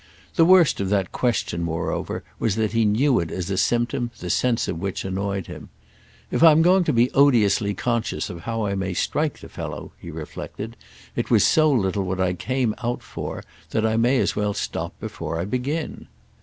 The worst of that question moreover was that he knew it as a symptom the sense of which annoyed him. "If I'm going to be odiously conscious of how I may strike the fellow," he reflected, "it was so little what I came out for that I may as well stop before I begin."